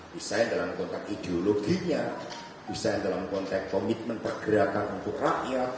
desain dalam konteks ideologinya desain dalam konteks komitmen pergerakan untuk rakyat